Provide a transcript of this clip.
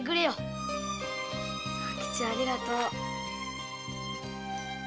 三吉ありがとう。